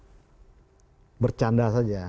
saya bercanda saja